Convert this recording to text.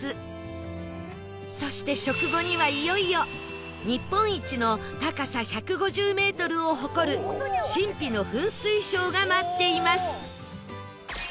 そして食後にはいよいよ日本一の高さ１５０メートルを誇る神秘の噴水ショーが待っています